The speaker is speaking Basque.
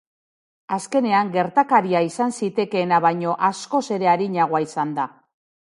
Azkenean, gertakaria izan zitekeena baino askoz ere arinagoa izan da.